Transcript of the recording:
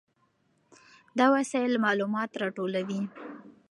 دا وسایل معلومات راټولوي.